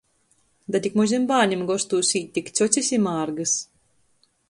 Da tik mozim bārnim gostūs īt tik cjocis i mārgys.